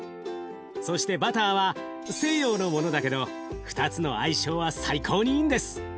そしてバターは西洋のものだけど２つの相性は最高にいいんです。